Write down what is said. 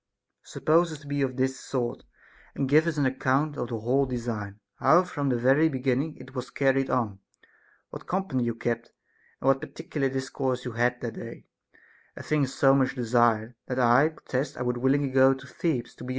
Suppose us to be of this sort, and give us an account of the whole design, how from the very begin ning it was carried on, what company you kept, and what particular discourse you had that day ;— a thing so much desired, that I protest I would willingly go to Thebes to be CONCERNING SOCRATES'S DAEMON.